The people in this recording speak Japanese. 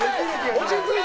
落ち着いて！